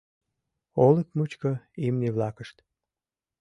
Олык мучко имне-влакышт